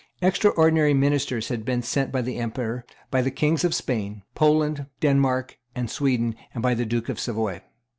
Extraordinary ministers had been sent by the Emperor, by the Kings of Spain, Poland, Denmark, and Sweden, and by the Duke of Savoy.